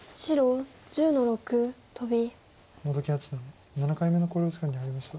本木八段７回目の考慮時間に入りました。